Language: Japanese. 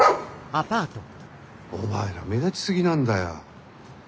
お前ら目立ちすぎなんだよ。